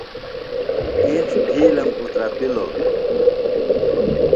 اِنڇ بِھیلم اوترپِلوۡ۔